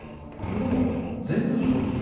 でも全部そうですよ。